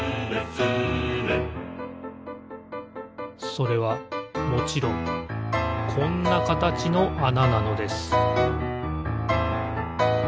それはもちろんこんなかたちのあななのです